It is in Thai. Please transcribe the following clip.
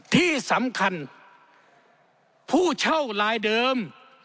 ที่สำคัญผู้เช่าลายเดิม